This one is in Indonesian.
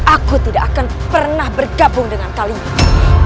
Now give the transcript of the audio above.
aku tidak akan pernah bergabung dengan kalian